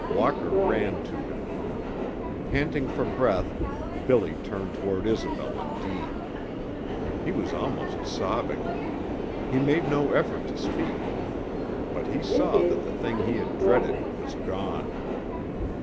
Walker ran to him. Panting for breath, Billy turned toward Isobel and Deane. He was almost sobbing. He made no effort to speak. But he saw that the thing he had dreaded was gone.